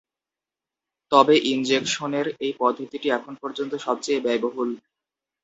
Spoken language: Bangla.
তবে ইনজেকশনের এই পদ্ধতিটি এখন পর্যন্ত সবচেয়ে ব্যয়বহুল।